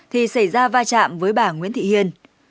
thì xảy ra va chạm với bà nguyễn thị hiền